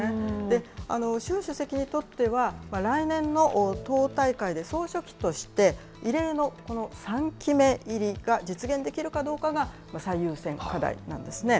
習主席にとっては、来年の党大会で総書記として、異例の３期目入りが実現できるかどうかが最優先課題なんですね。